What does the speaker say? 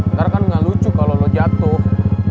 ntar kan gak lucu kalau lo jatuh